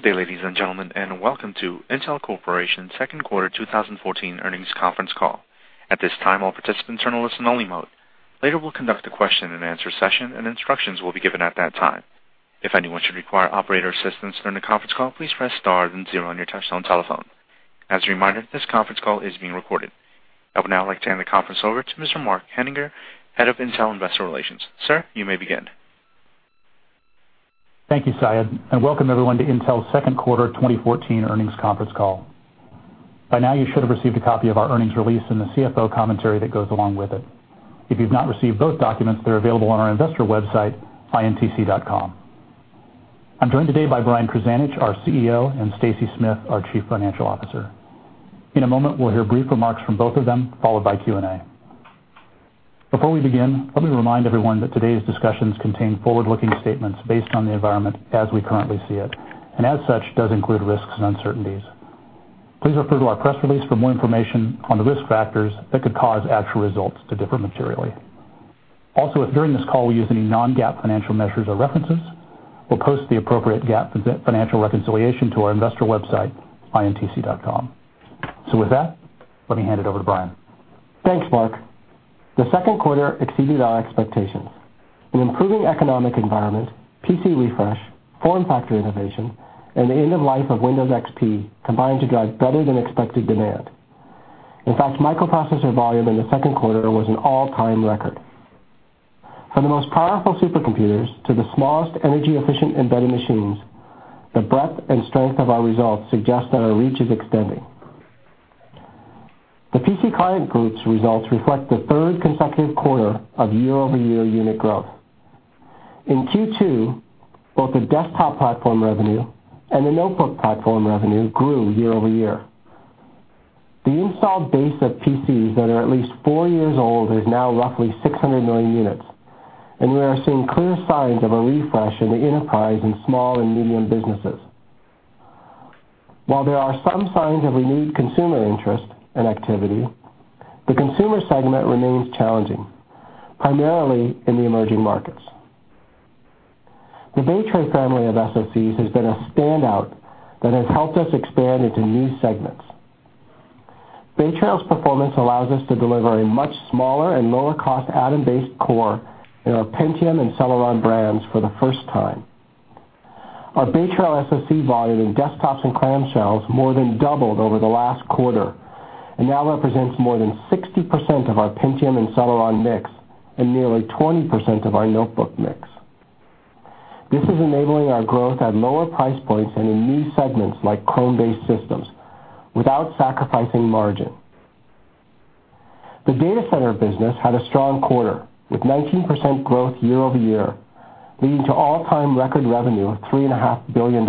Good day, ladies and gentlemen. Welcome to Intel Corporation's second quarter 2014 earnings conference call. At this time, all participants are in listen-only mode. Later, we'll conduct a question-and-answer session, and instructions will be given at that time. If anyone should require operator assistance during the conference call, please press star then zero on your touch-tone telephone. As a reminder, this conference call is being recorded. I would now like to hand the conference over to Mr. Mark Henninger, Head of Intel Investor Relations. Sir, you may begin. Thank you, Saied. Welcome everyone to Intel's second quarter 2014 earnings conference call. By now, you should have received a copy of our earnings release and the CFO commentary that goes along with it. If you've not received both documents, they're available on our investor website, intc.com. I'm joined today by Brian Krzanich, our CEO, and Stacy Smith, our Chief Financial Officer. In a moment, we'll hear brief remarks from both of them, followed by Q&A. Before we begin, let me remind everyone that today's discussions contain forward-looking statements based on the environment as we currently see it, and as such, does include risks and uncertainties. Please refer to our press release for more information on the risk factors that could cause actual results to differ materially. If during this call we use any non-GAAP financial measures or references, we'll post the appropriate GAAP financial reconciliation to our investor website, intc.com. With that, let me hand it over to Brian. Thanks, Mark. The second quarter exceeded our expectations. An improving economic environment, PC refresh, form factor innovation, and the end of life of Windows XP combined to drive better than expected demand. In fact, microprocessor volume in the second quarter was an all-time record. From the most powerful supercomputers to the smallest energy-efficient embedded machines, the breadth and strength of our results suggest that our reach is extending. The PC Client Group's results reflect the third consecutive quarter of year-over-year unit growth. In Q2, both the desktop platform revenue and the notebook platform revenue grew year-over-year. The installed base of PCs that are at least four years old is now roughly 600 million units. We are seeing clear signs of a refresh in the enterprise in small and medium businesses. While there are some signs of renewed consumer interest and activity, the consumer segment remains challenging, primarily in the emerging markets. The Bay Trail family of SoCs has been a standout that has helped us expand into new segments. Bay Trail's performance allows us to deliver a much smaller and lower-cost Atom-based core in our Pentium and Celeron brands for the first time. Our Bay Trail SoC volume in desktops and clamshells more than doubled over the last quarter and now represents more than 60% of our Pentium and Celeron mix and nearly 20% of our notebook mix. This is enabling our growth at lower price points and in new segments like Chrome-based systems without sacrificing margin. The data center business had a strong quarter, with 19% growth year-over-year, leading to all-time record revenue of $3.5 billion.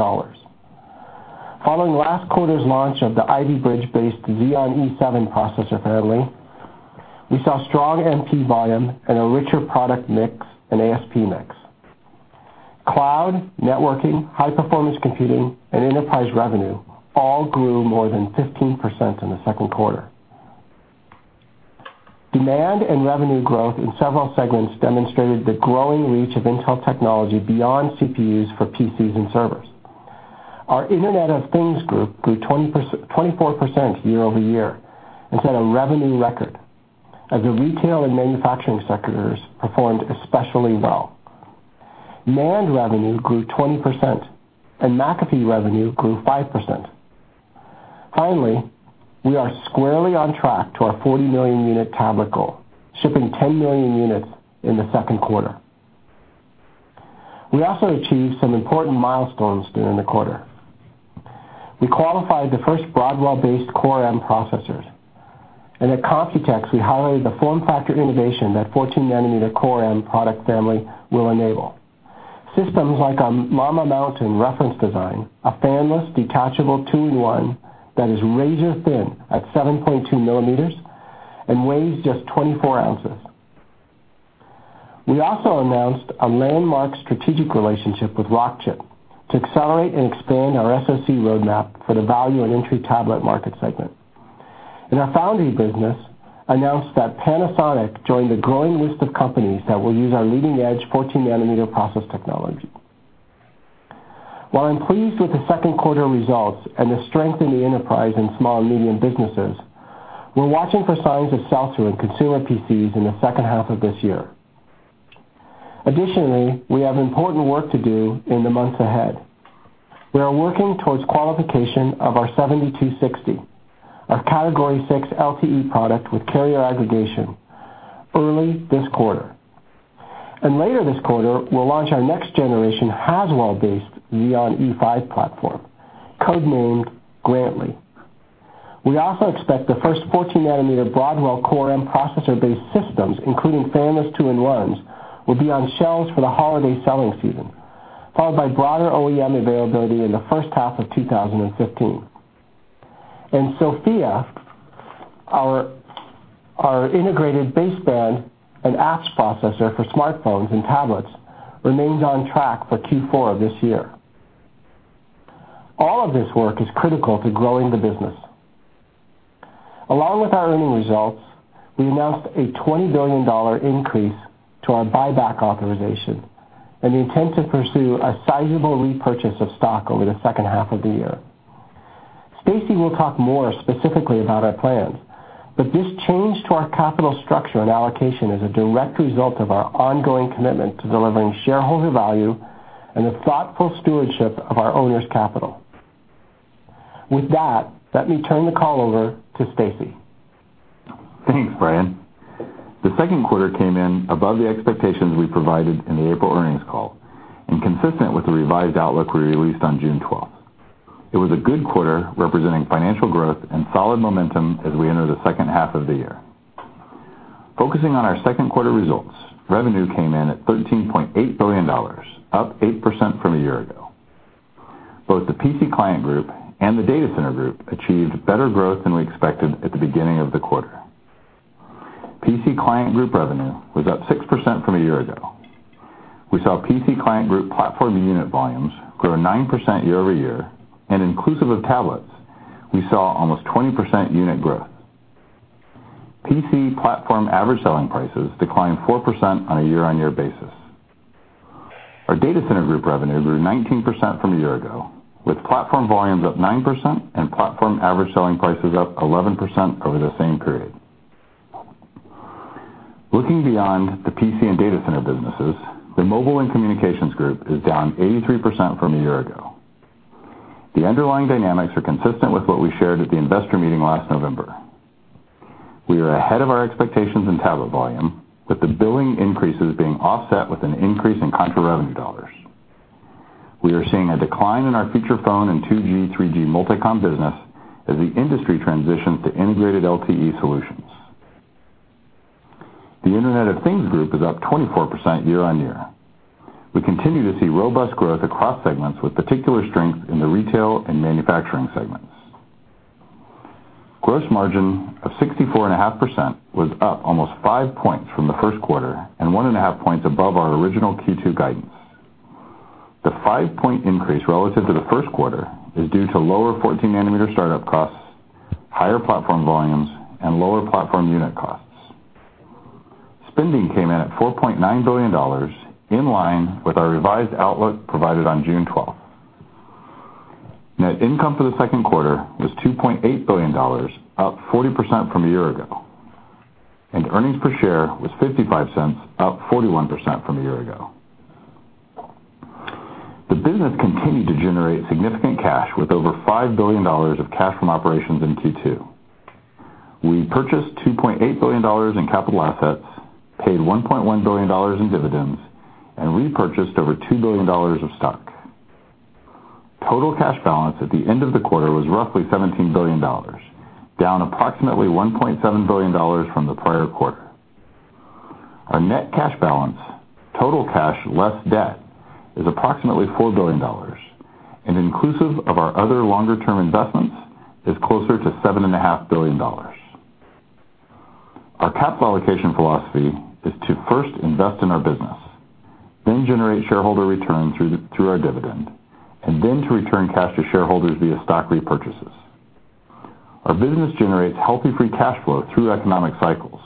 Following last quarter's launch of the Ivy Bridge-based Xeon E7 processor family, we saw strong MP volume and a richer product mix and ASP mix. Cloud, networking, high-performance computing, and enterprise revenue all grew more than 15% in the second quarter. Demand and revenue growth in several segments demonstrated the growing reach of Intel technology beyond CPUs for PCs and servers. Our Internet of Things Group grew 24% year-over-year and set a revenue record, as the retail and manufacturing sectors performed especially well. NAND revenue grew 20%, and McAfee revenue grew 5%. Finally, we are squarely on track to our 40-million-unit tablet goal, shipping 10 million units in the second quarter. We also achieved some important milestones during the quarter. We qualified the first Broadwell-based Core M processors. At Computex, we highlighted the form factor innovation that 14-nanometer Core M product family will enable. Systems like our Llama Mountain reference design, a fan-less, detachable two-in-one that is razor thin at 7.2 millimeters and weighs just 24 ounces. We also announced a landmark strategic relationship with Rockchip to accelerate and expand our SoC roadmap for the value and entry tablet market segment. In our foundry business, announced that Panasonic joined a growing list of companies that will use our leading-edge 14-nanometer process technology. While I'm pleased with the second quarter results and the strength in the enterprise and small and medium businesses, we're watching for signs of shelter in consumer PCs in the second half of this year. Additionally, we have important work to do in the months ahead. We are working towards qualification of our 7260, our Cat 6 LTE product with carrier aggregation, early this quarter. Later this quarter, we'll launch our next generation Haswell-based Xeon E5 platform, codenamed Grantley. We also expect the first 14-nanometer Broadwell Core M processor-based systems, including fan-less two-in-ones, will be on shelves for the holiday selling season, followed by broader OEM availability in the first half of 2015. SoFIA, our integrated baseband and apps processor for smartphones and tablets, remains on track for Q4 of this year. All of this work is critical to growing the business. Along with our earnings results, we announced a $20 billion increase to our buyback authorization, and the intent to pursue a sizable repurchase of stock over the second half of the year. Stacy will talk more specifically about our plans, but this change to our capital structure and allocation is a direct result of our ongoing commitment to delivering shareholder value and the thoughtful stewardship of our owners' capital. With that, let me turn the call over to Stacy. Thanks, Brian. The second quarter came in above the expectations we provided in the April earnings call, consistent with the revised outlook we released on June 12th. It was a good quarter representing financial growth and solid momentum as we enter the second half of the year. Focusing on our second quarter results, revenue came in at $13.8 billion, up 8% from a year ago. Both the PC Client Group and the Data Center Group achieved better growth than we expected at the beginning of the quarter. PC Client Group revenue was up 6% from a year ago. We saw PC Client Group platform unit volumes grow 9% year-over-year, inclusive of tablets, we saw almost 20% unit growth. PC platform average selling prices declined 4% on a year-on-year basis. Our Data Center Group revenue grew 19% from a year ago, with platform volumes up 9% and platform average selling prices up 11% over the same period. Looking beyond the PC and data center businesses, the Mobile and Communications Group is down 83% from a year ago. The underlying dynamics are consistent with what we shared at the investor meeting last November. We are ahead of our expectations in tablet volume, with the billing increases being offset with an increase in contra revenue. We are seeing a decline in our feature phone and 2G/3G multicom business as the industry transitions to integrated LTE solutions. The Internet of Things Group is up 24% year-on-year. We continue to see robust growth across segments with particular strength in the retail and manufacturing segments. Gross margin of 64.5% was up almost five points from the first quarter and one and a half points above our original Q2 guidance. The five-point increase relative to the first quarter is due to lower 14-nanometer startup costs, higher platform volumes, and lower platform unit costs. Spending came in at $4.9 billion, in line with our revised outlook provided on June 12th. Net income for the second quarter was $2.8 billion, up 40% from a year ago, and earnings per share was $0.55, up 41% from a year ago. The business continued to generate significant cash with over $5 billion of cash from operations in Q2. We purchased $2.8 billion in capital assets, paid $1.1 billion in dividends, and repurchased over $2 billion of stock. Total cash balance at the end of the quarter was roughly $17 billion, down approximately $1.7 billion from the prior quarter. Our net cash balance, total cash less debt, is approximately $4 billion, inclusive of our other longer-term investments, is closer to $7.5 billion. Our capital allocation philosophy is to first invest in our business, then generate shareholder return through our dividend, then to return cash to shareholders via stock repurchases. Our business generates healthy free cash flow through economic cycles,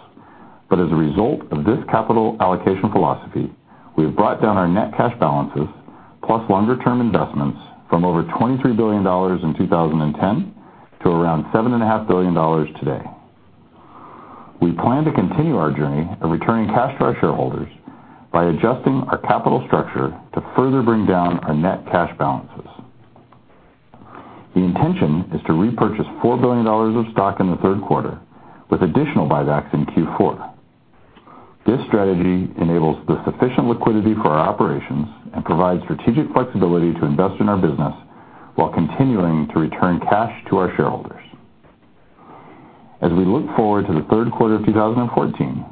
but as a result of this capital allocation philosophy, we have brought down our net cash balances, plus longer-term investments, from over $23 billion in 2010 to around $7.5 billion today. We plan to continue our journey of returning cash to our shareholders by adjusting our capital structure to further bring down our net cash balances. The intention is to repurchase $4 billion of stock in the third quarter with additional buybacks in Q4. This strategy enables the sufficient liquidity for our operations and provides strategic flexibility to invest in our business while continuing to return cash to our shareholders. As we look forward to the third quarter of 2014,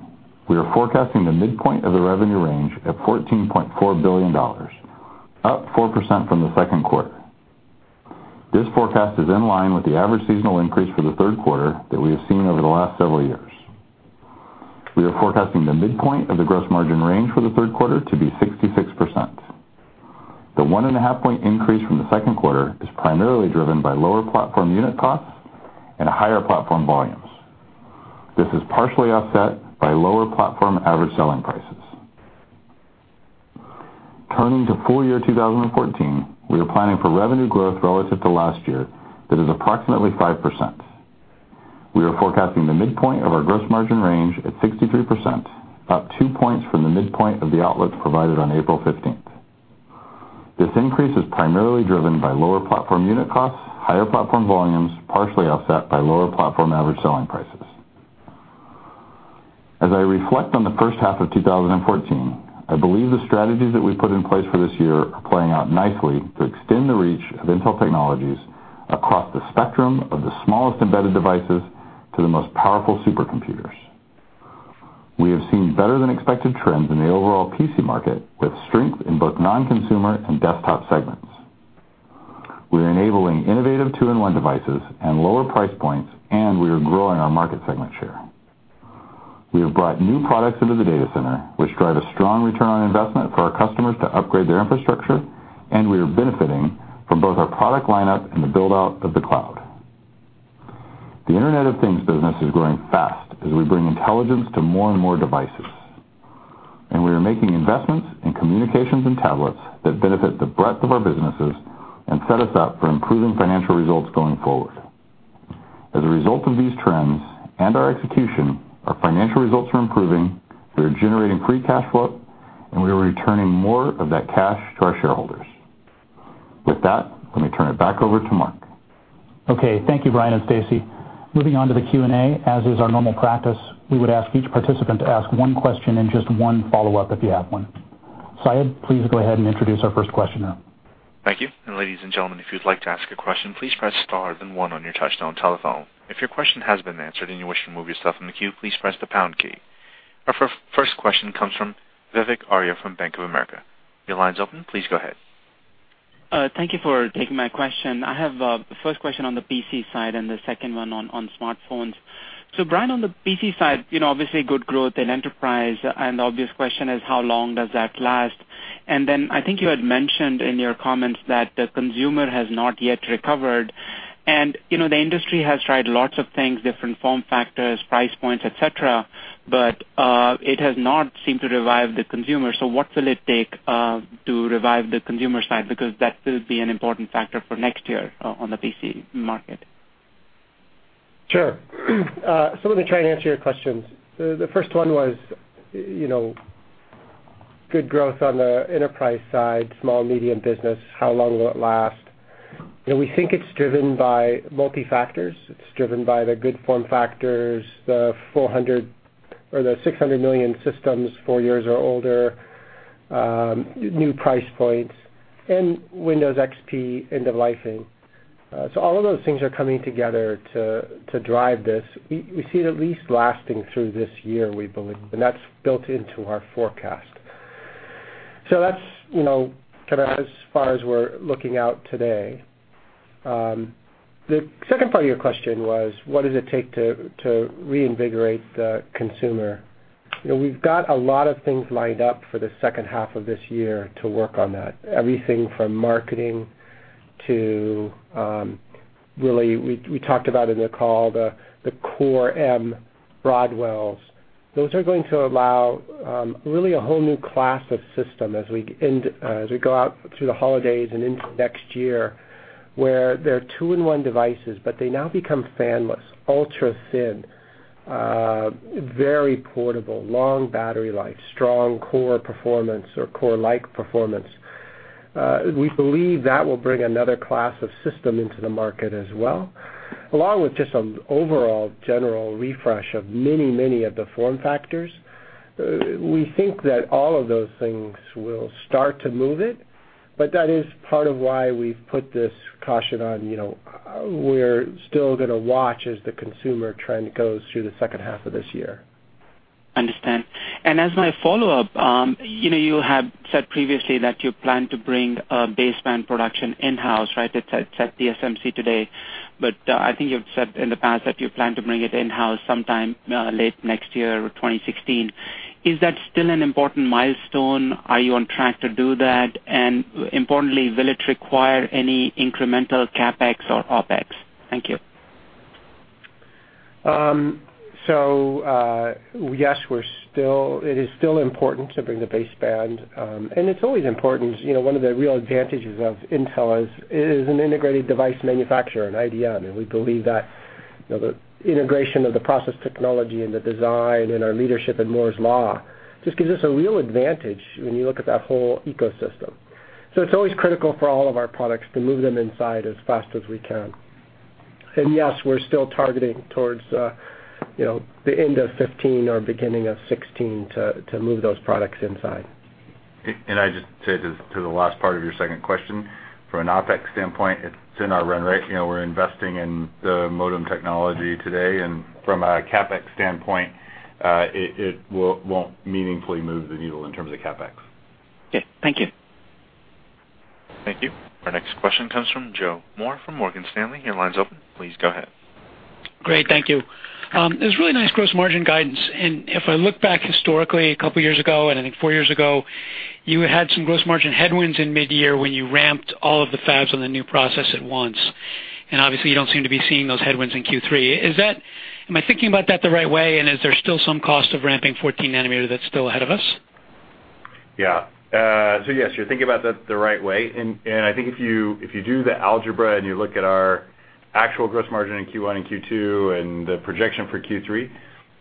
we are forecasting the midpoint of the revenue range at $14.4 billion, up 4% from the second quarter. This forecast is in line with the average seasonal increase for the third quarter that we have seen over the last several years. We are forecasting the midpoint of the gross margin range for the third quarter to be 66%. The 1.5 point increase from the second quarter is primarily driven by lower platform unit costs and higher platform volumes. This is partially offset by lower platform average selling prices. Turning to full year 2014, we are planning for revenue growth relative to last year that is approximately 5%. We are forecasting the midpoint of our gross margin range at 63%, up 2 points from the midpoint of the outlook provided on April 15th. This increase is primarily driven by lower platform unit costs, higher platform volumes, partially offset by lower platform average selling prices. As I reflect on the first half of 2014, I believe the strategies that we put in place for this year are playing out nicely to extend the reach of Intel technologies across the spectrum of the smallest embedded devices to the most powerful supercomputers. We have seen better than expected trends in the overall PC market, with strength in both non-consumer and desktop segments. We are enabling innovative 2-in-1 devices and lower price points, and we are growing our market segment share. We have brought new products into the data center, which drive a strong return on investment for our customers to upgrade their infrastructure. We are benefiting from both our product lineup and the build-out of the cloud. The Internet of Things business is growing fast as we bring intelligence to more and more devices. We are making investments in communications and tablets that benefit the breadth of our businesses and set us up for improving financial results going forward. As a result of these trends and our execution, our financial results are improving, we are generating free cash flow, and we are returning more of that cash to our shareholders. With that, let me turn it back over to Mark. Okay. Thank you, Brian and Stacy. Moving on to the Q&A. As is our normal practice, we would ask each participant to ask one question and just one follow-up if you have one. Saied, please go ahead and introduce our first questioner. Thank you. Ladies and gentlemen, if you'd like to ask a question, please press star then one on your touchtone telephone. If your question has been answered and you wish to remove yourself from the queue, please press the pound key. Our first question comes from Vivek Arya from Bank of America. Your line's open. Please go ahead. Thank you for taking my question. First question on the PC side and the second one on smartphones. Brian, on the PC side, obviously good growth in enterprise, the obvious question is how long does that last? Then I think you had mentioned in your comments that the consumer has not yet recovered. The industry has tried lots of things, different form factors, price points, et cetera, but it has not seemed to revive the consumer. What will it take to revive the consumer side? Because that will be an important factor for next year on the PC market. Sure. Let me try and answer your questions. The first one was, good growth on the enterprise side, small, medium business. How long will it last? We think it's driven by multi factors. It's driven by the good form factors, the 600 million systems four years or older, new price points, and Windows XP end of lifing. All of those things are coming together to drive this. We see it at least lasting through this year, we believe, and that's built into our forecast. That's as far as we're looking out today. The second part of your question was, what does it take to reinvigorate the consumer? We've got a lot of things lined up for the second half of this year to work on that. Everything from marketing to, really, we talked about in the call, the Core M Broadwells. Those are going to allow really a whole new class of system as we go out through the holidays and into next year, where they're 2-in-1 devices, they now become fan-less, ultra-thin, very portable, long battery life, strong core performance or core-like performance. We believe that will bring another class of system into the market as well, along with just some overall general refresh of many of the form factors. We think that all of those things will start to move it, that is part of why we've put this caution on. We're still going to watch as the consumer trend goes through the second half of this year. As my follow-up, you have said previously that you plan to bring baseband production in-house, right? It's at TSMC today, but I think you've said in the past that you plan to bring it in-house sometime late next year or 2016. Is that still an important milestone? Are you on track to do that? Importantly, will it require any incremental CapEx or OpEx? Thank you. Yes, it is still important to bring the baseband, and it's always important. One of the real advantages of Intel is an integrated device manufacturer, an IDM, and we believe that the integration of the process technology and the design and our leadership in Moore's Law just gives us a real advantage when you look at that whole ecosystem. It's always critical for all of our products to move them inside as fast as we can. Yes, we're still targeting towards the end of 2015 or beginning of 2016 to move those products inside. I'd just say to the last part of your second question, from an OpEx standpoint, it's in our run rate. We're investing in the modem technology today, and from a CapEx standpoint, it won't meaningfully move the needle in terms of the CapEx. Okay. Thank you. Thank you. Our next question comes from Joe Moore from Morgan Stanley. Your line's open. Please go ahead. Great. Thank you. It was really nice gross margin guidance. If I look back historically, a couple of years ago, and I think four years ago, you had some gross margin headwinds in mid-year when you ramped all of the fabs on the new process at once. Obviously, you don't seem to be seeing those headwinds in Q3. Am I thinking about that the right way, and is there still some cost of ramping 14 nanometer that's still ahead of us? Yes, you're thinking about that the right way. I think if you do the algebra and you look at our actual gross margin in Q1 and Q2 and the projection for Q3,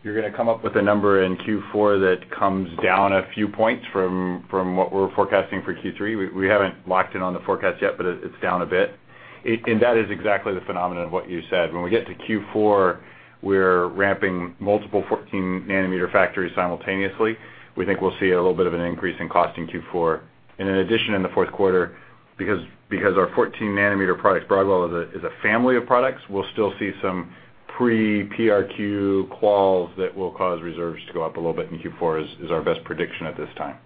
you're going to come up with a number in Q4 that comes down a few points from what we're forecasting for Q3. We haven't locked in on the forecast yet, but it's down a bit. That is exactly the phenomenon of what you said. When we get to Q4, we're ramping multiple 14 nanometer factories simultaneously. We think we'll see a little bit of an increase in cost in Q4. In addition, in the fourth quarter, because our 14 nanometer product, Broadwell, is a family of products, we'll still see some pre-PRQ quals that will cause reserves to go up a little bit in Q4 is our best prediction at this time.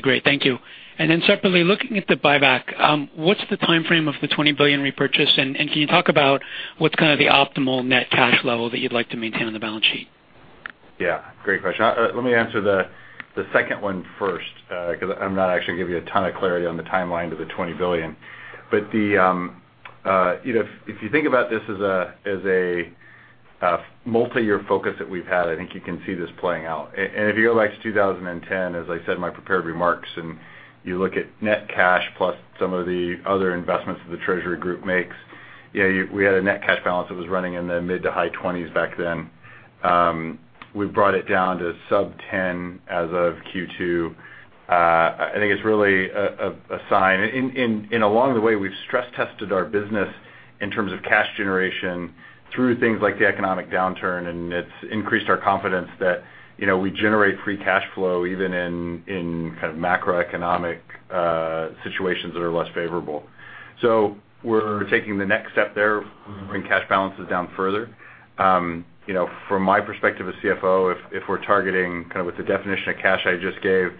Great. Thank you. Separately, looking at the buyback, what's the timeframe of the $20 billion repurchase? Can you talk about what's the optimal net cash level that you'd like to maintain on the balance sheet? Yeah, great question. Let me answer the second one first, because I'm not actually giving you a ton of clarity on the timeline to the $20 billion. If you think about this as a multi-year focus that we've had, I think you can see this playing out. If you go back to 2010, as I said in my prepared remarks, and you look at net cash plus some of the other investments that the treasury group makes, we had a net cash balance that was running in the mid to high 20s back then. We've brought it down to sub 10 as of Q2. I think it's really a sign. Along the way, we've stress-tested our business in terms of cash generation through things like the economic downturn, and it's increased our confidence that we generate free cash flow even in macroeconomic situations that are less favorable. We're taking the next step there, bringing cash balances down further. From my perspective as CFO, if we're targeting with the definition of cash I just gave,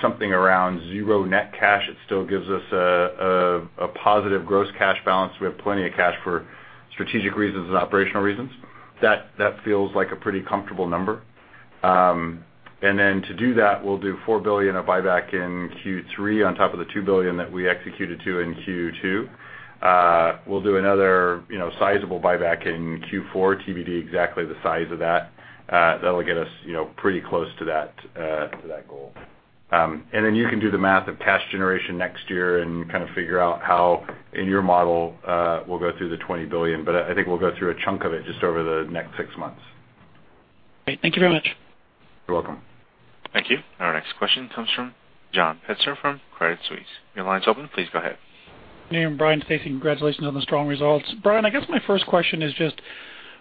something around zero net cash, it still gives us a positive gross cash balance. We have plenty of cash for strategic reasons and operational reasons. That feels like a pretty comfortable number. To do that, we'll do $4 billion of buyback in Q3 on top of the $2 billion that we executed to in Q2. We'll do another sizable buyback in Q4, TBD exactly the size of that. That'll get us pretty close to that goal. You can do the math of cash generation next year and figure out how, in your model, we'll go through the $20 billion. I think we'll go through a chunk of it just over the next six months. Great. Thank you very much. You're welcome. Thank you. Our next question comes from John Pitzer from Credit Suisse. Your line is open. Please go ahead. Hey, Brian, Stacy, congratulations on the strong results. Brian, I guess my first question is just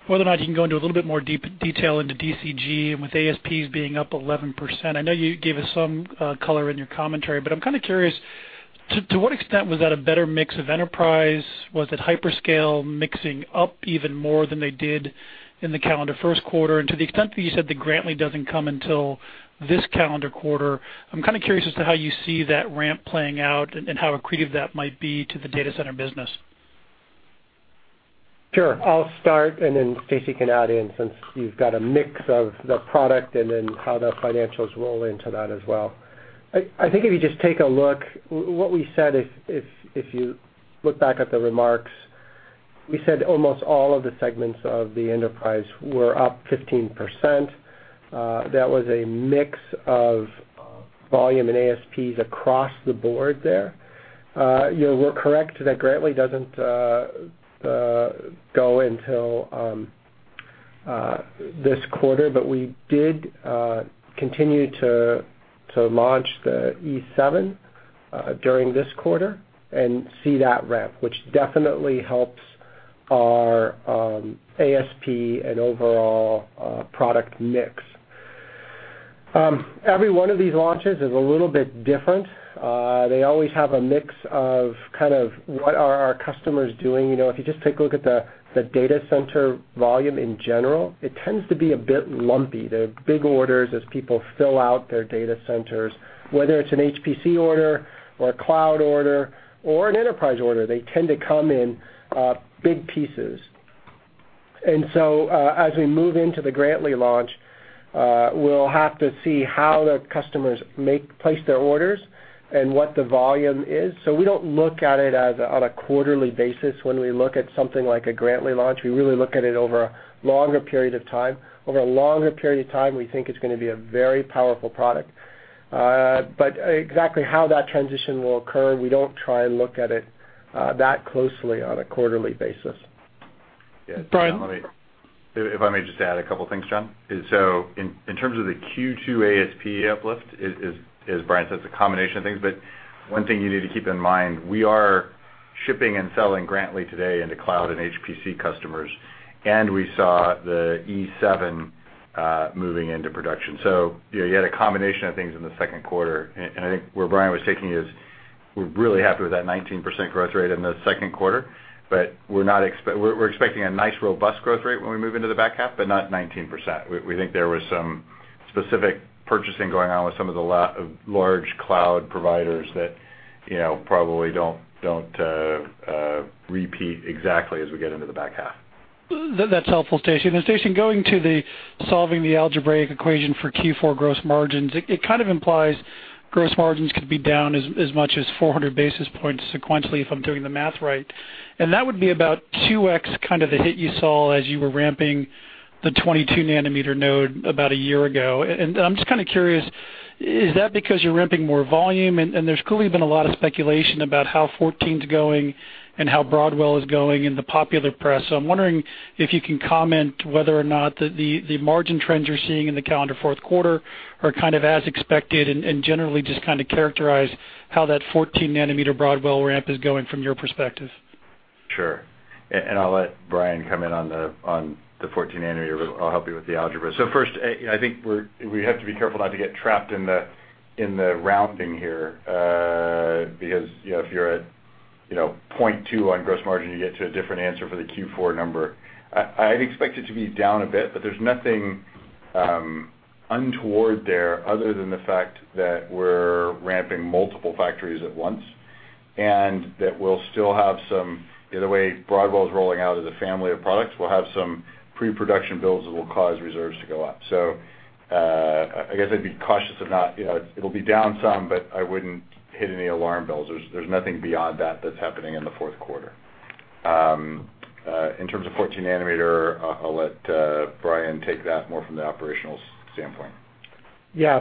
whether or not you can go into a little bit more detail into DCG and with ASPs being up 11%. I know you gave us some color in your commentary, but I'm curious, to what extent was that a better mix of enterprise? Was it hyperscale mixing up even more than they did in the calendar first quarter? To the extent that you said the Grantley doesn't come until this calendar quarter, I'm curious as to how you see that ramp playing out and how accretive that might be to the data center business. Sure. I'll start, and then Stacy can add in, since you've got a mix of the product and then how the financials roll into that as well. I think if you just take a look, what we said, if you look back at the remarks, we said almost all of the segments of the enterprise were up 15%. That was a mix of volume and ASPs across the board there. You're correct that Grantley doesn't go until this quarter, we did continue to launch the E7 during this quarter and see that ramp, which definitely helps our ASP and overall product mix. Every one of these launches is a little bit different. They always have a mix of what are our customers doing. If you just take a look at the data center volume in general, it tends to be a bit lumpy. They're big orders as people fill out their data centers, whether it's an HPC order or a cloud order or an enterprise order. They tend to come in big pieces. As we move into the Grantley launch, we'll have to see how the customers place their orders and what the volume is. We don't look at it on a quarterly basis when we look at something like a Grantley launch. We really look at it over a longer period of time. Over a longer period of time, we think it's going to be a very powerful product. Exactly how that transition will occur, we don't try and look at it that closely on a quarterly basis. Brian- If I may just add a couple of things, John. In terms of the Q2 ASP uplift, as Brian says, a combination of things. One thing you need to keep in mind, we are shipping and selling Grantley today into cloud and HPC customers, and we saw the E7 moving into production. You had a combination of things in the second quarter, and I think where Brian was taking it is we're really happy with that 19% growth rate in the second quarter, but we're expecting a nice, robust growth rate when we move into the back half, but not 19%. We think there was some specific purchasing going on with some of the large cloud providers that probably don't repeat exactly as we get into the back half. That's helpful, Stacy. Stacy, going to the solving the algebraic equation for Q4 gross margins, it implies gross margins could be down as much as 400 basis points sequentially, if I'm doing the math right. That would be about 2x the hit you saw as you were ramping the 22 nanometer node about a year ago. I'm just curious, is that because you're ramping more volume? There's clearly been a lot of speculation about how 14's going and how Broadwell is going in the popular press. I'm wondering if you can comment whether or not the margin trends you're seeing in the calendar fourth quarter are as expected and generally just characterize how that 14 nanometer Broadwell ramp is going from your perspective. Sure. I'll let Brian come in on the 14 nanometer, but I'll help you with the algebra. First, I think we have to be careful not to get trapped in the rounding here, because if you're at 0.2 on gross margin, you get to a different answer for the Q4 number. I'd expect it to be down a bit, but there's nothing untoward there other than the fact that we're ramping multiple factories at once, and that The way Broadwell's rolling out as a family of products, we'll have some pre-production builds that will cause reserves to go up. I guess I'd be cautious of not. It'll be down some, but I wouldn't hit any alarm bells. There's nothing beyond that that's happening in the fourth quarter. In terms of 14 nanometer, I'll let Brian take that more from the operationals standpoint.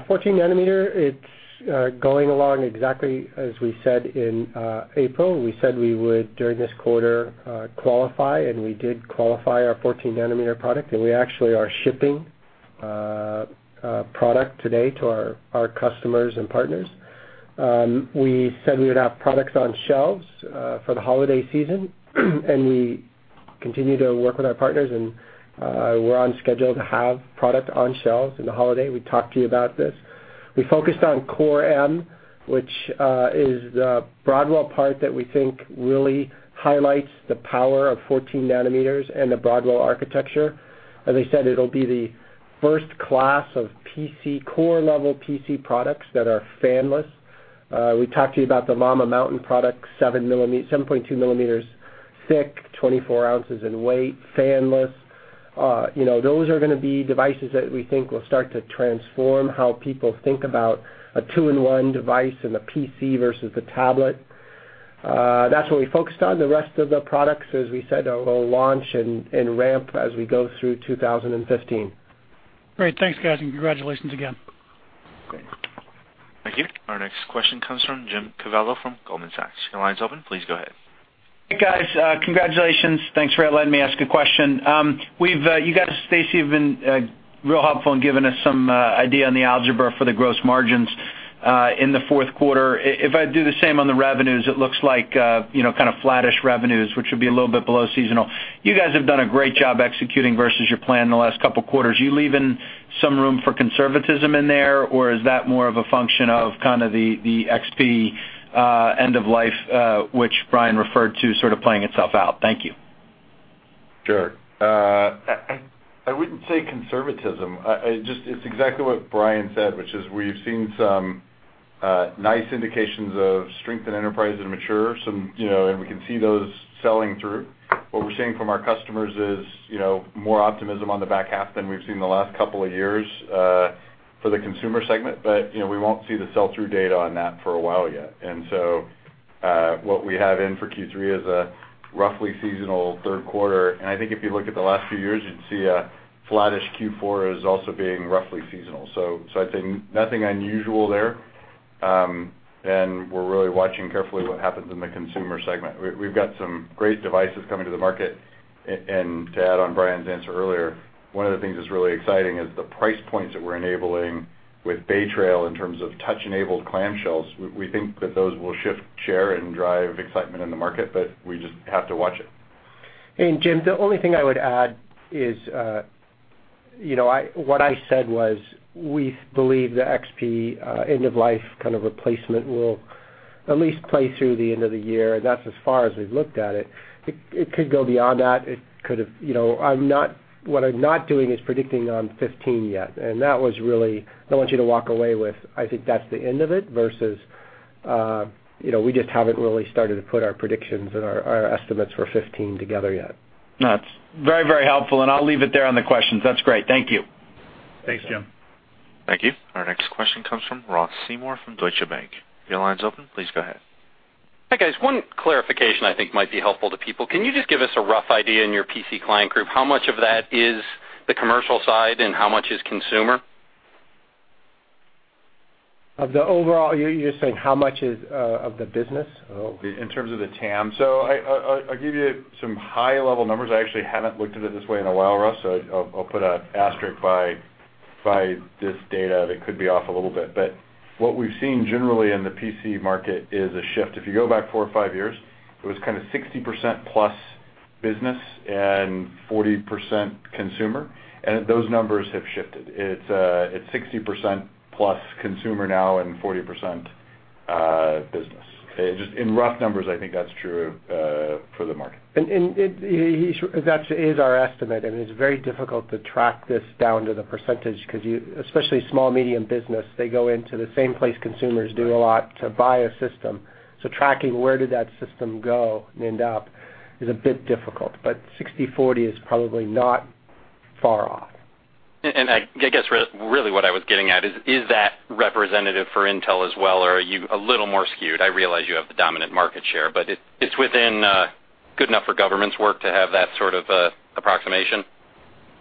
14 nanometer, it's going along exactly as we said in April. We said we would, during this quarter, qualify, and we did qualify our 14 nanometer product, and we actually are shipping product today to our customers and partners. We said we would have products on shelves for the holiday season. We continue to work with our partners, and we're on schedule to have product on shelves in the holiday. We talked to you about this. We focused on Core M, which is the Broadwell part that we think really highlights the power of 14 nanometers and the Broadwell architecture. As I said, it'll be the first class of PC core-level PC products that are fanless. We talked to you about the Llama Mountain product, 7.2 millimeters thick, 24 ounces in weight, fanless. Those are going to be devices that we think will start to transform how people think about a two-in-one device and the PC versus the tablet. That's what we focused on. The rest of the products, as we said, will launch and ramp as we go through 2015. Great. Thanks, guys. Congratulations again. Great. Thank you. Our next question comes from Jim Covello from Goldman Sachs. Your line's open. Please go ahead. Hey, guys. Congratulations. Thanks for letting me ask a question. You guys, Stacy, have been real helpful in giving us some idea on the algebra for the gross margins in the fourth quarter. If I do the same on the revenues, it looks like kind of flattish revenues, which would be a little bit below seasonal. You guys have done a great job executing versus your plan in the last couple quarters. You leaving some room for conservatism in there, or is that more of a function of the XP end of life, which Brian referred to sort of playing itself out? Thank you. Sure. I wouldn't say conservatism. It's exactly what Brian said, which is we've seen some nice indications of strength in enterprise and mature, and we can see those selling through. What we're seeing from our customers is more optimism on the back half than we've seen in the last couple of years for the consumer segment, but we won't see the sell-through data on that for a while yet. What we have in for Q3 is a roughly seasonal third quarter, and I think if you look at the last few years, you'd see a flattish Q4 as also being roughly seasonal. I'd say nothing unusual there, and we're really watching carefully what happens in the consumer segment. We've got some great devices coming to the market, to add on Brian's answer earlier, one of the things that's really exciting is the price points that we're enabling with Bay Trail in terms of touch-enabled clamshells. We think that those will shift share and drive excitement in the market, we just have to watch it. Jim, the only thing I would add is, what I said was, we believe the XP end-of-life replacement will at least play through the end of the year. That's as far as we've looked at it. It could go beyond that. What I'm not doing is predicting on 2015 yet, that was really, I don't want you to walk away with, I think that's the end of it, versus we just haven't really started to put our predictions and our estimates for 2015 together yet. That's very helpful, I'll leave it there on the questions. That's great. Thank you. Thanks, Jim. Thank you. Our next question comes from Ross Seymore from Deutsche Bank. Your line's open. Please go ahead. Hi, guys. One clarification I think might be helpful to people. Can you just give us a rough idea in your PC Client Group, how much of that is the commercial side and how much is consumer? Of the overall, you're saying how much is of the business? In terms of the TAM. I'll give you some high-level numbers. I actually haven't looked at it this way in a while, Ross, I'll put an asterisk by this data that could be off a little bit. What we've seen generally in the PC market is a shift. If you go back four or five years, it was 60%-plus business and 40% consumer, those numbers have shifted. It's 60%-plus consumer now and 40% business. In rough numbers, I think that's true for the market. That is our estimate, it's very difficult to track this down to the percentage, especially small-medium business. They go into the same place consumers do a lot to buy a system. Tracking where did that system go and end up is a bit difficult, 60/40 is probably not far off. I guess really what I was getting at is that representative for Intel as well, or are you a little more skewed? I realize you have the dominant market share, it's within good enough for governments work to have that sort of approximation?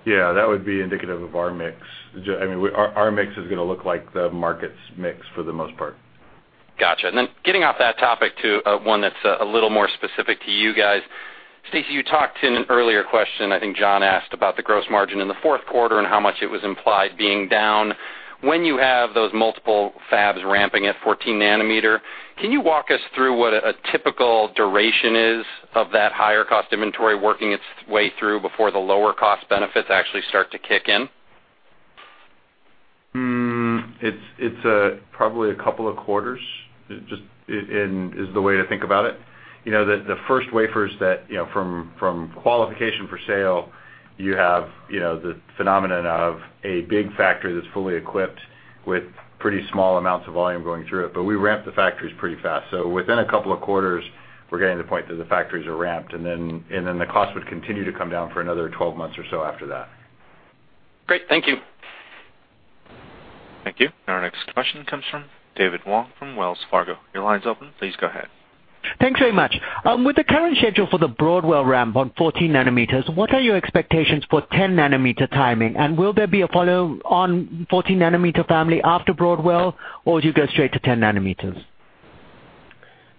Yeah, that would be indicative of our mix. Our mix is going to look like the market's mix for the most part. Got you. Getting off that topic to one that's a little more specific to you guys. Stacy, you talked in an earlier question, I think John asked about the gross margin in the fourth quarter and how much it was implied being down. When you have those multiple fabs ramping at 14 nanometer, can you walk us through what a typical duration is of that higher-cost inventory working its way through before the lower-cost benefits actually start to kick in? It's probably a couple of quarters, is the way to think about it. The first wafers that, from qualification for sale, you have the phenomenon of a big factory that's fully equipped with pretty small amounts of volume going through it, we ramp the factories pretty fast. Within a couple of quarters, we're getting to the point that the factories are ramped, and then the cost would continue to come down for another 12 months or so after that. Great. Thank you. Thank you. Our next question comes from David Wong from Wells Fargo. Your line's open. Please go ahead. Thanks very much. With the current schedule for the Broadwell ramp on 14 nanometers, what are your expectations for 10-nanometer timing? Will there be a follow on 14-nanometer family after Broadwell, or would you go straight to 10 nanometers?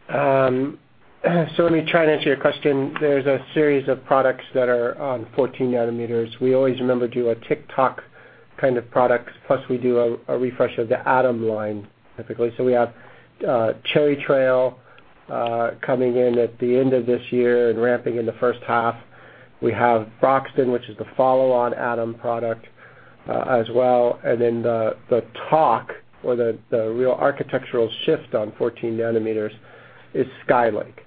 Let me try and answer your question. There's a series of products that are on 14 nanometers. We always remember do a tick-tock kind of products, plus we do a refresh of the Atom line, typically. We have Cherry Trail, coming in at the end of this year and ramping in the first half. We have Broxton, which is the follow-on Atom product, as well. Then the tock, or the real architectural shift on 14 nanometers, is Skylake,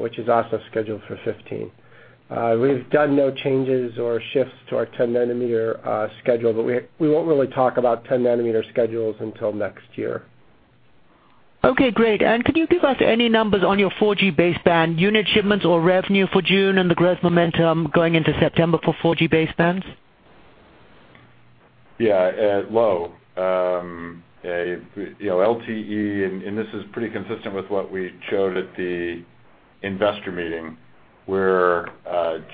which is also scheduled for 2015. We've done no changes or shifts to our 10-nanometer schedule, we won't really talk about 10-nanometer schedules until next year. Okay, great. Could you give us any numbers on your 4G baseband unit shipments or revenue for June and the growth momentum going into September for 4G basebands? Yeah. LTE, this is pretty consistent with what we showed at the investor meeting, we're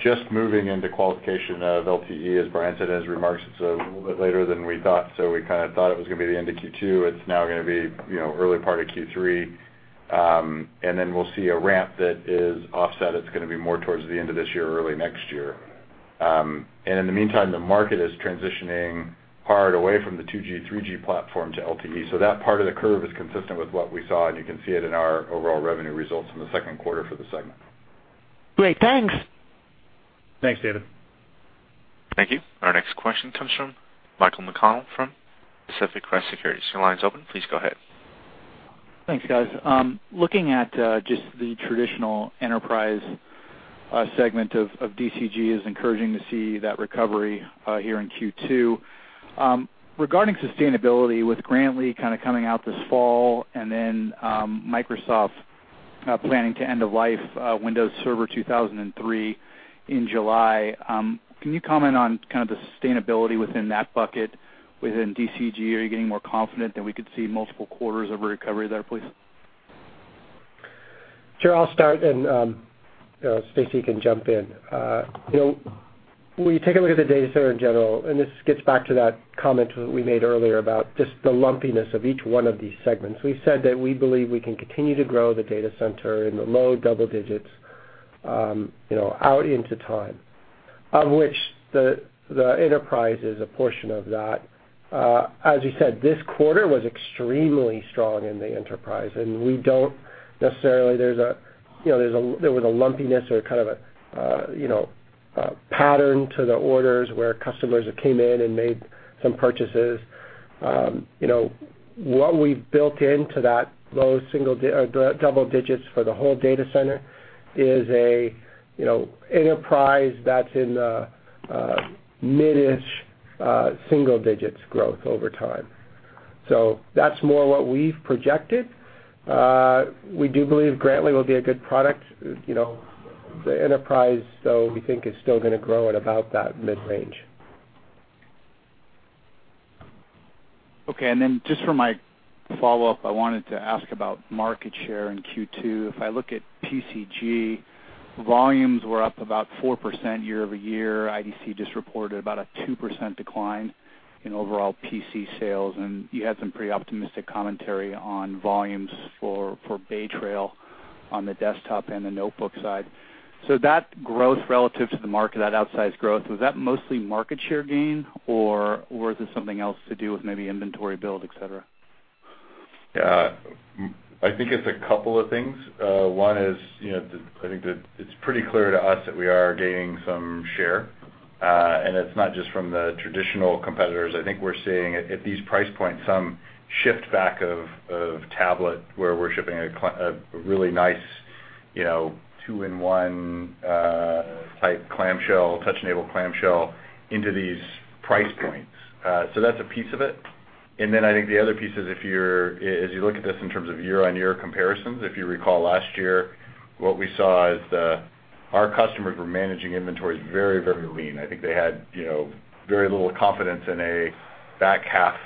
just moving into qualification of LTE. As Brian said in his remarks, it's a little bit later than we thought. We thought it was going to be the end of Q2. It's now going to be early part of Q3. Then we'll see a ramp that is offset. It's going to be more towards the end of this year or early next year. In the meantime, the market is transitioning hard away from the 2G, 3G platform to LTE. That part of the curve is consistent with what we saw, and you can see it in our overall revenue results in the second quarter for the segment. Great. Thanks. Thanks, David. Thank you. Our next question comes from Mike McConnell from Pacific Crest Securities. Your line's open. Please go ahead. Thanks, guys. Looking at just the traditional enterprise segment of DCG, it's encouraging to see that recovery here in Q2. Regarding sustainability, with Grantley coming out this fall and then Microsoft planning to end of life Windows Server 2003 in July, can you comment on the sustainability within that bucket within DCG? Are you getting more confident that we could see multiple quarters of recovery there, please? Sure. I'll start and Stacy can jump in. When you take a look at the data center in general, and this gets back to that comment we made earlier about just the lumpiness of each one of these segments. We said that we believe we can continue to grow the data center in the low double digits, out into time. Of which, the enterprise is a portion of that. As you said, this quarter was extremely strong in the enterprise, and there was a lumpiness or a pattern to the orders where customers came in and made some purchases. What we've built into that low double digits for the whole data center is an enterprise that's in the mid-ish single digits growth over time. That's more what we've projected. We do believe Grantley will be a good product. The enterprise, though, we think is still going to grow at about that mid-range. Okay, just for my follow-up, I wanted to ask about market share in Q2. If I look at PCG, volumes were up about 4% year-over-year. IDC just reported about a 2% decline in overall PC sales, and you had some pretty optimistic commentary on volumes for Bay Trail on the desktop and the notebook side. That growth relative to the market, that outsized growth, was that mostly market share gain, or was it something else to do with maybe inventory build, et cetera? Yeah. I think it's a couple of things. One is, I think that it's pretty clear to us that we are gaining some share, and it's not just from the traditional competitors. I think we're seeing, at these price points, some shift back of tablet, where we're shipping a really nice 2-in-1 type clamshell, touch-enabled clamshell, into these price points. That's a piece of it. I think the other piece is, as you look at this in terms of year-on-year comparisons, if you recall last year, what we saw is our customers were managing inventories very, very lean. I think they had very little confidence in a back half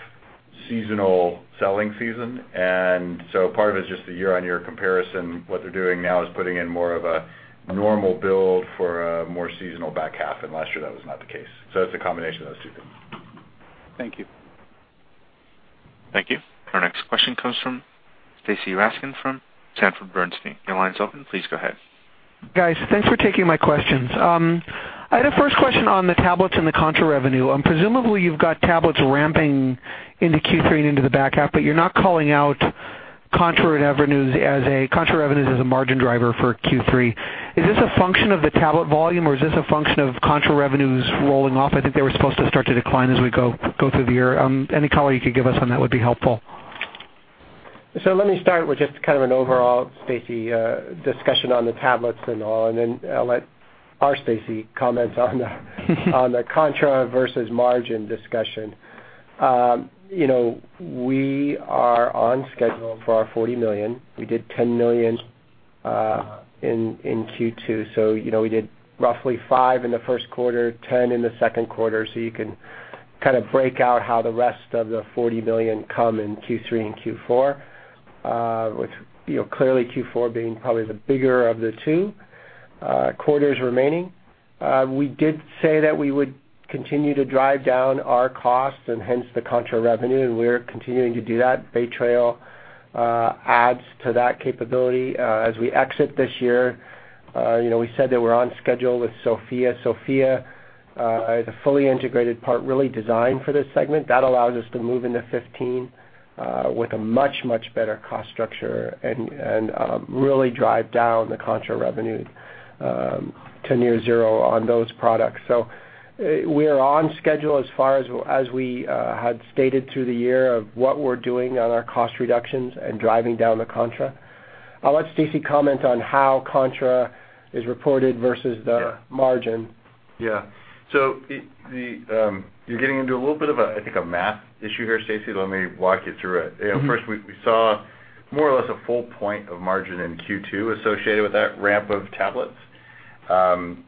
seasonal selling season. Part of it is just the year-on-year comparison. What they're doing now is putting in more of a normal build for a more seasonal back half, last year that was not the case. It's a combination of those two things. Thank you. Thank you. Our next question comes from Stacy Rasgon from Sanford C. Bernstein. Your line's open. Please go ahead. Guys, thanks for taking my questions. I had a first question on the tablets and the contra revenue. Presumably, you've got tablets ramping into Q3 and into the back half, you're not calling out contra revenues as a margin driver for Q3. Is this a function of the tablet volume, or is this a function of contra revenues rolling off? I think they were supposed to start to decline as we go through the year. Any color you could give us on that would be helpful. Let me start with just kind of an overall, Stacy, discussion on the tablets and all, and then I'll let our Stacy comment on the contra versus margin discussion. We are on schedule for our $40 million. We did $10 million in Q2, so we did roughly $5 million in the first quarter, $10 million in the second quarter, so you can break out how the rest of the $40 million come in Q3 and Q4, with clearly Q4 being probably the bigger of the two quarters remaining. We did say that we would continue to drive down our costs, and hence, the contra revenue, and we're continuing to do that. Bay Trail adds to that capability. As we exit this year, we said that we're on schedule with SoFIA. SoFIA is a fully integrated part really designed for this segment. That allows us to move into 2015 with a much, much better cost structure and really drive down the contra revenue to near zero on those products. We are on schedule as far as we had stated through the year of what we're doing on our cost reductions and driving down the contra. I'll let Stacy comment on how contra is reported versus the margin. Yeah. You're getting into a little bit of, I think, a math issue here, Stacy. Let me walk you through it. First, we saw more or less a full point of margin in Q2 associated with that ramp of tablets.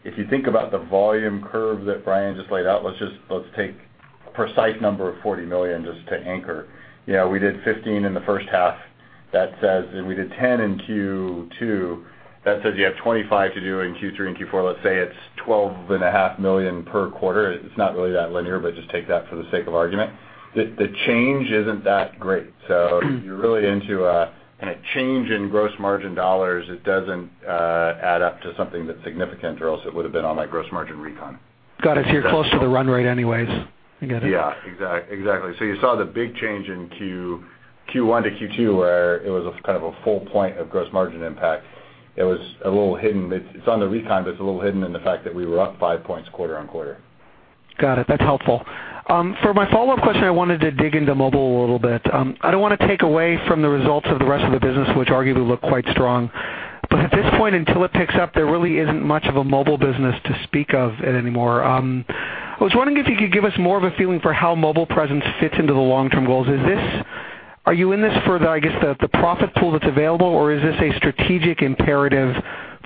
If you think about the volume curve that Brian just laid out, let's take a precise number of $40 million just to anchor. We did $15 million in the first half, and we did $10 million in Q2. That says you have $25 million to do in Q3 and Q4. Let's say it's $12.5 million per quarter. It's not really that linear, but just take that for the sake of argument. The change isn't that great. You're really into a change in gross margin dollars, it doesn't add up to something that's significant, or else it would've been on my gross margin recon. Got it. You're close to the run rate anyways. I get it. Yeah. Exactly. You saw the big change in Q1 to Q2, where it was a full point of gross margin impact. It was a little hidden. It's on the recon, but it's a little hidden in the fact that we were up five points quarter-on-quarter. Got it. That's helpful. For my follow-up question, I wanted to dig into mobile a little bit. I don't want to take away from the results of the rest of the business, which arguably look quite strong. At this point, until it picks up, there really isn't much of a mobile business to speak of it anymore. I was wondering if you could give us more of a feeling for how mobile presence fits into the long-term goals. Are you in this for the profit pool that's available, or is this a strategic imperative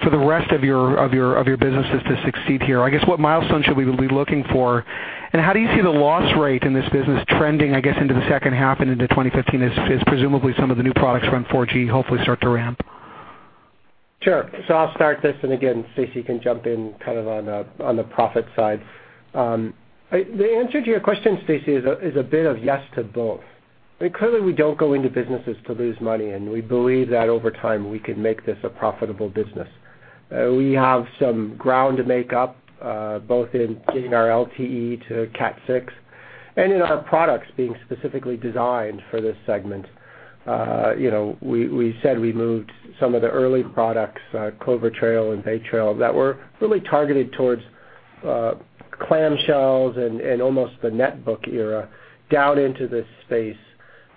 for the rest of your businesses to succeed here? What milestone should we be looking for, and how do you see the loss rate in this business trending, I guess, into the second half and into 2015 as presumably some of the new products around 4G hopefully start to ramp? Sure. I'll start this, and again, Stacy can jump in on the profit side. The answer to your question, Stacy, is a bit of yes to both. Clearly, we don't go into businesses to lose money, and we believe that over time, we can make this a profitable business. We have some ground to make up, both in getting our LTE to Cat 6 and in our products being specifically designed for this segment. We said we moved some of the early products, Clover Trail and Bay Trail, that were really targeted towards clamshells and almost the netbook era down into this space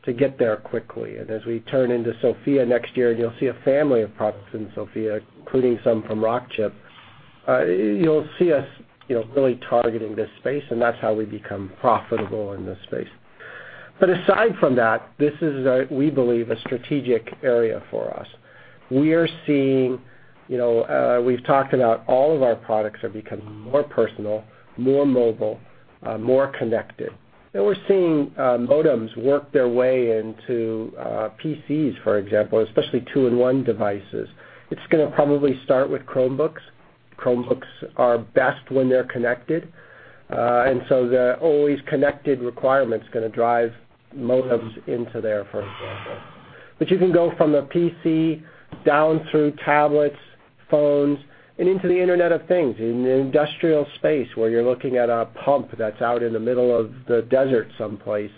to get there quickly. As we turn into SoFIA next year, and you'll see a family of products in SoFIA, including some from Rockchip, you'll see us really targeting this space, and that's how we become profitable in this space. Aside from that, this is, we believe, a strategic area for us. We've talked about all of our products are becoming more personal, more mobile, more connected. We're seeing modems work their way into PCs, for example, especially 2-in-1 devices. It's going to probably start with Chromebooks. Chromebooks are best when they're connected, the always connected requirement's going to drive modems into there, for example. You can go from a PC down through tablets, phones, and into the Internet of Things. In the industrial space, where you're looking at a pump that's out in the middle of the desert someplace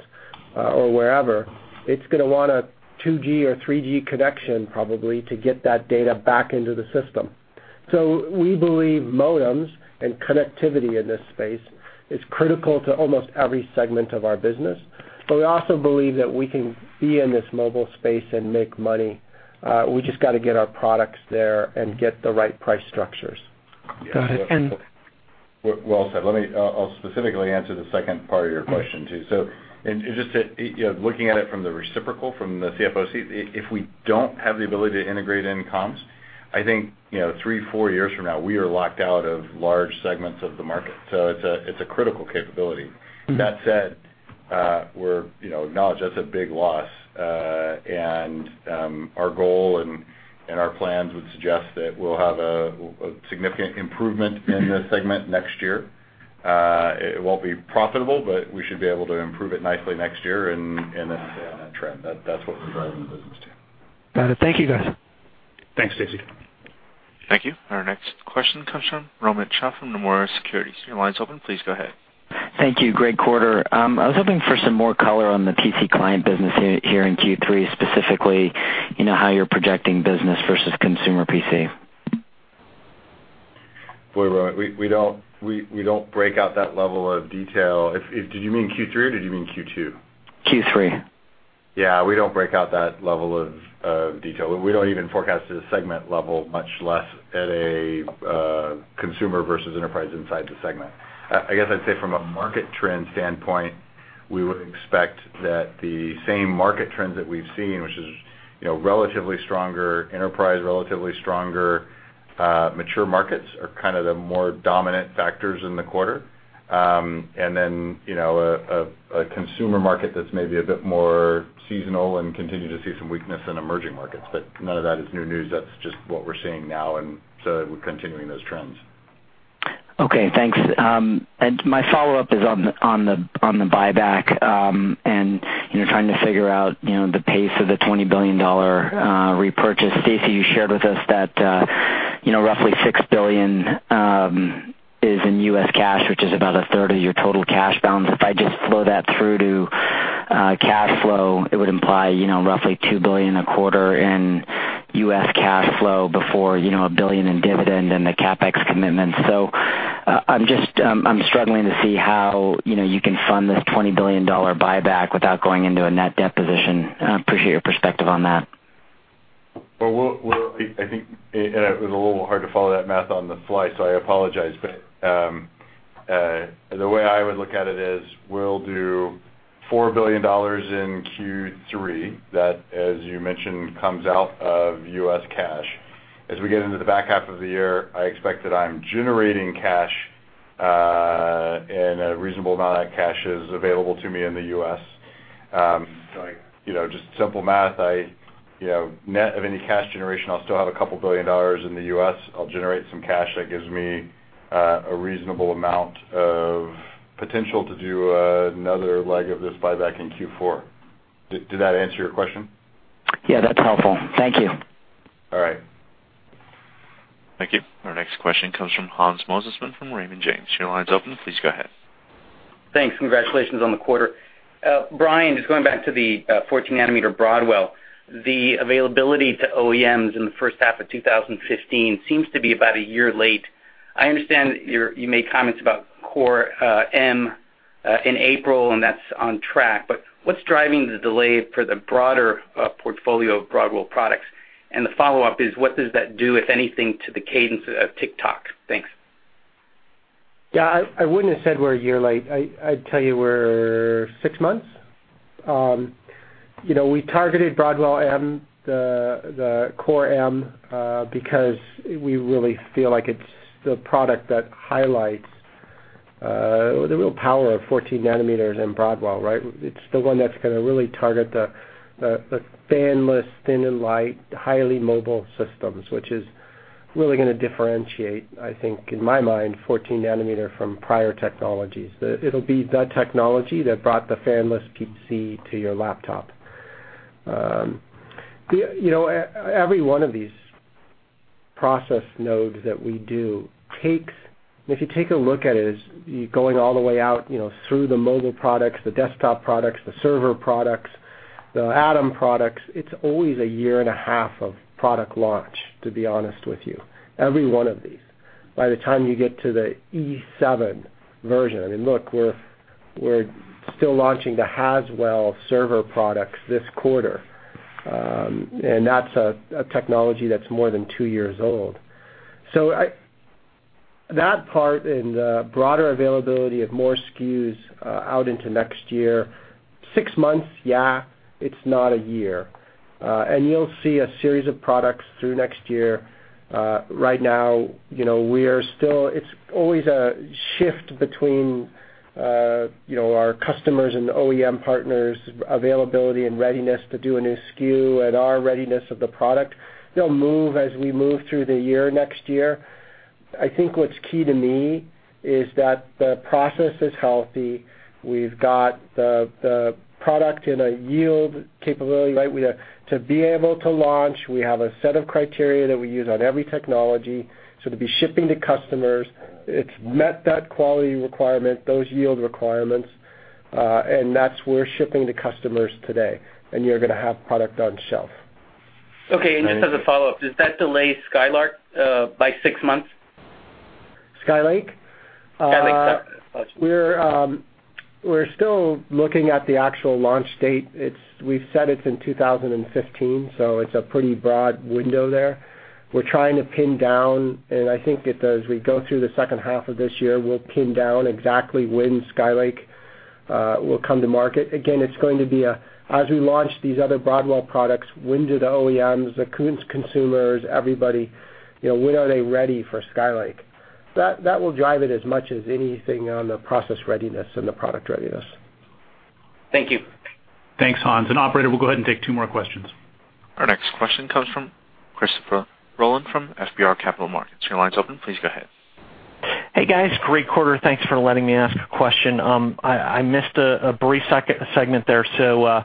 or wherever, it's going to want a 2G or 3G connection probably to get that data back into the system. We believe modems and connectivity in this space is critical to almost every segment of our business, but we also believe that we can be in this mobile space and make money. We just got to get our products there and get the right price structures. Got it. Well said. I'll specifically answer the second part of your question, too. Just looking at it from the reciprocal, from the CFO seat, if we don't have the ability to integrate in comms, I think three, four years from now, we are locked out of large segments of the market. It's a critical capability. That said, we acknowledge that's a big loss, and our goal and our plans would suggest that we'll have a significant improvement in this segment next year. It won't be profitable, but we should be able to improve it nicely next year and then stay on that trend. That's what we're driving the business to. Got it. Thank you, guys. Thanks, Stacy. Thank you. Our next question comes from Romit Shah from Nomura Securities. Your line is open. Please go ahead. Thank you. Great quarter. I was hoping for some more color on the PC client business here in Q3, specifically, how you're projecting business versus consumer PC. Romit, we don't break out that level of detail. Did you mean Q3 or did you mean Q2? Q3. Yeah. We don't break out that level of detail. We don't even forecast at a segment level, much less at a consumer versus enterprise inside the segment. I guess I'd say from a market trend standpoint, we would expect that the same market trends that we've seen, which is relatively stronger enterprise, relatively stronger mature markets, are kind of the more dominant factors in the quarter. A consumer market that's maybe a bit more seasonal and continue to see some weakness in emerging markets. None of that is new news. That's just what we're seeing now, we're continuing those trends. Okay, thanks. My follow-up is on the buyback, trying to figure out the pace of the $20 billion repurchase. Stacy, you shared with us that roughly $6 billion is in U.S. cash, which is about a third of your total cash balance. If I just flow that through to cash flow, it would imply roughly $2 billion a quarter in U.S. cash flow before $1 billion in dividend and the CapEx commitments. I'm struggling to see how you can fund this $20 billion buyback without going into a net debt position. I appreciate your perspective on that. Romit, it was a little hard to follow that math on the fly, so I apologize. The way I would look at it is we'll do $4 billion in Q3. That, as you mentioned, comes out of U.S. cash. As we get into the back half of the year, I expect that I'm generating cash, and a reasonable amount of cash is available to me in the U.S. Just simple math, net of any cash generation, I'll still have a couple billion dollars in the U.S. I'll generate some cash that gives me a reasonable amount of potential to do another leg of this buyback in Q4. Did that answer your question? Yeah, that's helpful. Thank you. All right. Thank you. Our next question comes from Hans Mosesmann from Raymond James. Your line is open. Please go ahead. Thanks. Congratulations on the quarter. Brian, just going back to the 14 nanometer Broadwell, the availability to OEMs in the first half of 2015 seems to be about a year late. I understand you made comments about Core M in April, and that's on track. What's driving the delay for the broader portfolio of Broadwell products? The follow-up is, what does that do, if anything, to the cadence of Tick-Tock? Thanks. I wouldn't have said we're a year late. I'd tell you we're 6 months. We targeted Core M because we really feel like it's the product that highlights the real power of 14 nanometers in Broadwell, right? It's the one that's going to really target the fanless, thin and light, highly mobile systems, which is really going to differentiate, I think, in my mind, 14 nanometer from prior technologies. It'll be the technology that brought the fanless PC to your laptop. Every one of these process nodes that we do, if you take a look at it, going all the way out through the mobile products, the desktop products, the server products, the Atom products, it's always a year and a half of product launch, to be honest with you. Every one of these. By the time you get to the E7 version, I mean, look, we're still launching the Haswell server products this quarter. That's a technology that's more than two years old. That part and the broader availability of more SKUs out into next year, six months, yeah, it's not a year. You'll see a series of products through next year. Right now, it's always a shift between our customers and the OEM partners' availability and readiness to do a new SKU and our readiness of the product. They'll move as we move through the year, next year. I think what's key to me is that the process is healthy. We've got the product and a yield capability. To be able to launch, we have a set of criteria that we use on every technology. To be shipping to customers, it's met that quality requirement, those yield requirements. That's we're shipping to customers today. You're going to have product on shelf. Just as a follow-up, does that delay Skylake by six months? Skylake? Skylake, sorry. We're still looking at the actual launch date. We've said it's in 2015, so it's a pretty broad window there. We're trying to pin down. I think that as we go through the second half of this year, we'll pin down exactly when Skylake will come to market. Again, as we launch these other Broadwell products, when do the OEMs, the consumers, everybody, when are they ready for Skylake? That will drive it as much as anything on the process readiness and the product readiness. Thank you. Thanks, Hans. Operator, we'll go ahead and take two more questions. Our next question comes from Christopher Rolland from FBR Capital Markets. Your line is open. Please go ahead. Hey guys, great quarter. Thanks for letting me ask a question. I missed a brief segment there, so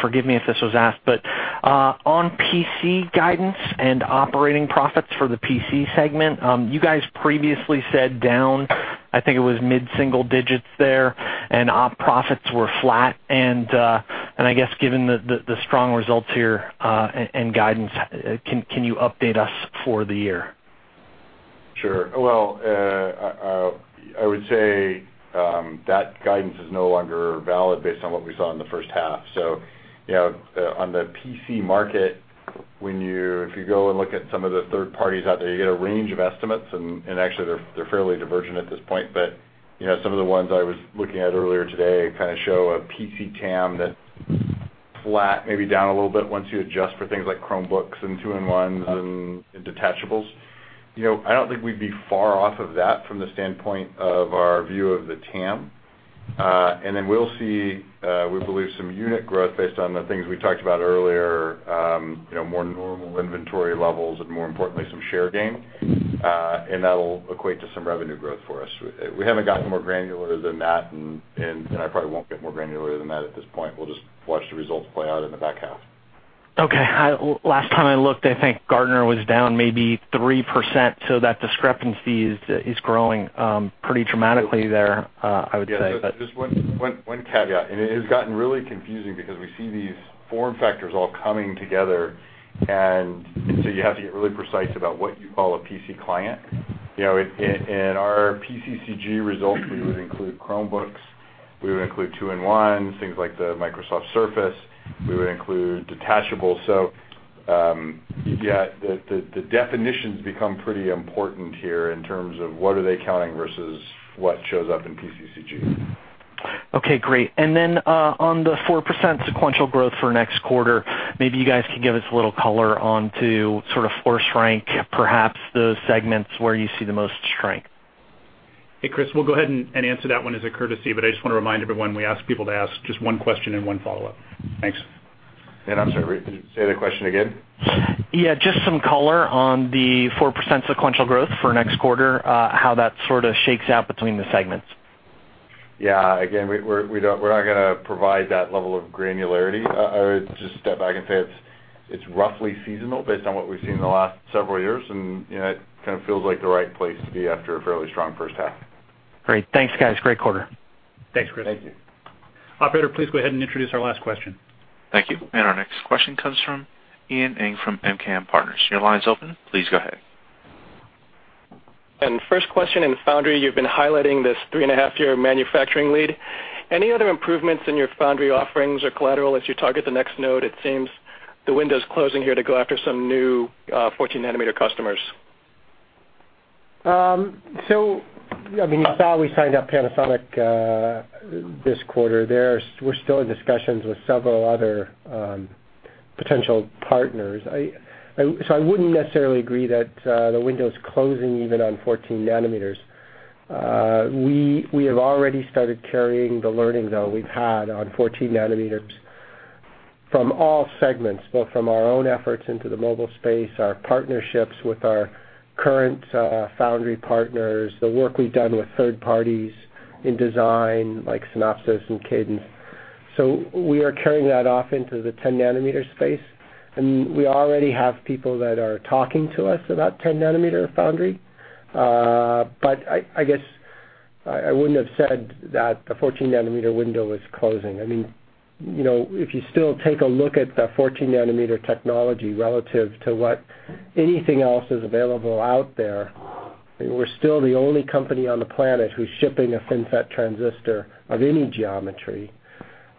forgive me if this was asked, but on PC guidance and operating profits for the PC segment, you guys previously said down, I think it was mid-single digits there, and op profits were flat. I guess given the strong results here, and guidance, can you update us for the year? Sure. Well, I would say that guidance is no longer valid based on what we saw in the first half. On the PC market, if you go and look at some of the third parties out there, you get a range of estimates, and actually they're fairly divergent at this point. Some of the ones I was looking at earlier today kind of show a PC TAM that's flat, maybe down a little bit once you adjust for things like Chromebooks and two-in-ones and detachables. I don't think we'd be far off of that from the standpoint of our view of the TAM. We'll see, we believe, some unit growth based on the things we talked about earlier, more normal inventory levels and more importantly, some share gain. That'll equate to some revenue growth for us. We haven't gotten more granular than that, and I probably won't get more granular than that at this point. We'll just watch the results play out in the back half. Okay. Last time I looked, I think Gartner was down maybe 3%, so that discrepancy is growing pretty dramatically there, I would say. Just one caveat, and it has gotten really confusing because we see these form factors all coming together, and so you have to get really precise about what you call a PC client. In our PCCG results, we would include Chromebooks, we would include two-in-ones, things like the Microsoft Surface. We would include detachables. Yeah, the definitions become pretty important here in terms of what are they counting versus what shows up in PCCG. Okay, great. On the 4% sequential growth for next quarter, maybe you guys could give us a little color on to sort of force rank, perhaps the segments where you see the most strength. Hey, Chris, we'll go ahead and answer that one as a courtesy, but I just want to remind everyone, we ask people to ask just one question and one follow-up. Thanks. I'm sorry, say the question again. Yeah, just some color on the 4% sequential growth for next quarter, how that sort of shakes out between the segments. Yeah. Again, we're not going to provide that level of granularity. I would just step back and say it's roughly seasonal based on what we've seen in the last several years, and it kind of feels like the right place to be after a fairly strong first half. Great. Thanks, guys. Great quarter. Thanks, Chris. Thank you. Operator, please go ahead and introduce our last question. Thank you. Our next question comes from Ian Ing from MKM Partners. Your line is open. Please go ahead. First question, in Foundry, you've been highlighting this three-and-a-half year manufacturing lead. Any other improvements in your Foundry offerings or collateral as you target the next node? It seems the window's closing here to go after some new 14 nanometer customers. You saw we signed up Panasonic this quarter. We're still in discussions with several other potential partners. I wouldn't necessarily agree that the window's closing even on 14 nanometers. We have already started carrying the learning, though, we've had on 14 nanometers from all segments, both from our own efforts into the mobile space, our partnerships with our current foundry partners, the work we've done with third parties in design like Synopsys and Cadence. We are carrying that off into the 10 nanometer space, and we already have people that are talking to us about 10 nanometer foundry. I guess I wouldn't have said that the 14 nanometer window is closing. If you still take a look at the 14 nanometer technology relative to what anything else is available out there, we're still the only company on the planet who's shipping a FinFET transistor of any geometry.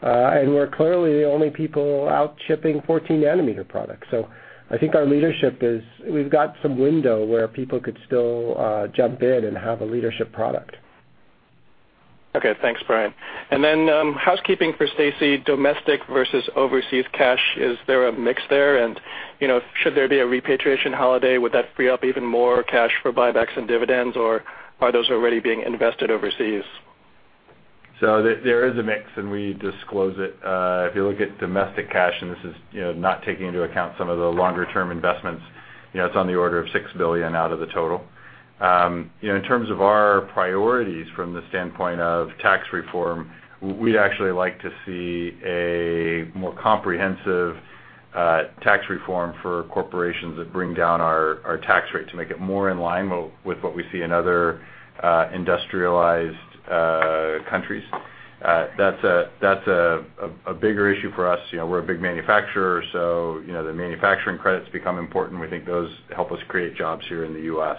We're clearly the only people out shipping 14 nanometer products. I think our leadership is we've got some window where people could still jump in and have a leadership product. Okay, thanks, Brian. Then, housekeeping for Stacy, domestic versus overseas cash. Is there a mix there? Should there be a repatriation holiday? Would that free up even more cash for buybacks and dividends, or are those already being invested overseas? There is a mix, and we disclose it. If you look at domestic cash, and this is not taking into account some of the longer-term investments, it's on the order of $6 billion out of the total. In terms of our priorities from the standpoint of tax reform, we'd actually like to see a more comprehensive tax reform for corporations that bring down our tax rate to make it more in line with what we see in other industrialized countries. That's a bigger issue for us. We're a big manufacturer, so the manufacturing credits become important. We think those help us create jobs here in the U.S.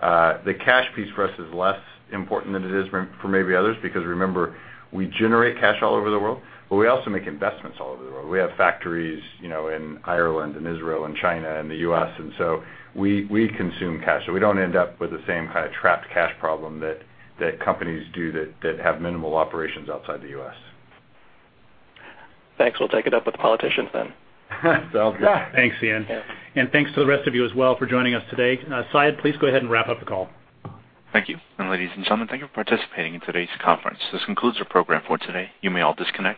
The cash piece for us is less important than it is for maybe others, because remember, we generate cash all over the world, but we also make investments all over the world. We have factories in Ireland and Israel and China and the U.S., so we consume cash, we don't end up with the same kind of trapped cash problem that companies do that have minimal operations outside the U.S. Thanks. We'll take it up with the politicians then. Sounds good. Thanks, Ian. Thanks to the rest of you as well for joining us today. Saied, please go ahead and wrap up the call. Thank you. Ladies and gentlemen, thank you for participating in today's conference. This concludes our program for today. You may all disconnect.